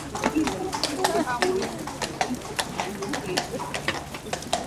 The city has one of the oldest buildings in the country: the Annunciation Church.